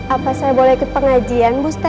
apa saya boleh ikut pengajian bu stejah